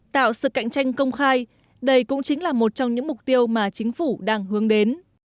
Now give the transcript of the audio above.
tạo sự cạnh tranh công khai đây cũng chính là một trong những mục tiêu mà chính phủ đang hướng đến